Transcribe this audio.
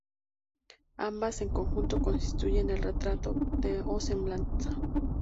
Ambas en conjunto constituyen el retrato o semblanza.